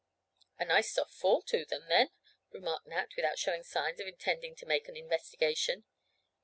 "A nice soft fall to them then," remarked Nat, without showing signs of intending to make an investigation.